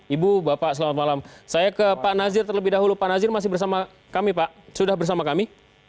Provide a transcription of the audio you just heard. ibu bapak selamat malam saya ke pak nazir terlebih dahulu pak nazir masih bersama kami pak sudah bersama kami